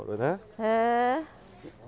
へえ。